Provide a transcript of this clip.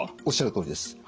おっしゃるとおりです。